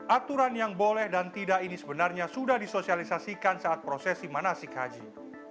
aturan yang boleh dan tidak ini sebenarnya sudah disosialisasikan saat prosesi manasik haji